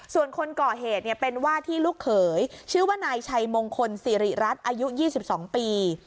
ส่วนคนก่อเหตุเป็นว่าที่ลูกเขยชื่อว่านายชัยมงคลสิริรัตน์อายุ๒๒ปี